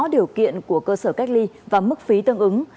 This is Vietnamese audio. điều kiện của cơ sở cách ly và mức phí tương ứng